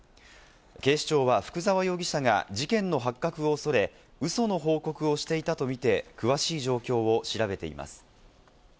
警視庁は福沢容疑者が事件の発覚を恐れ、ウソの報告をしていたとみて詳しい状況を調べています。